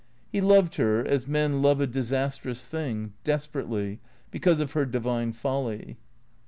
He loved her, as men love a disas trous thing, desperately, because of her divine folly.